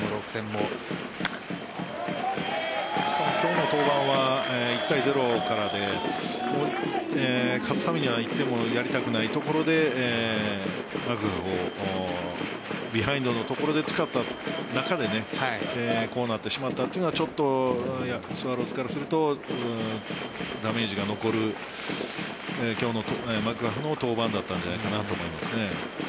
ですから今日の登板は１対０からで勝つためには１点もやりたくないところでマクガフをビハインドのところで使った中でこうなってしまったのはちょっとスワローズからするとダメージが残る今日のマクガフの登板だったんじゃないかなと思います。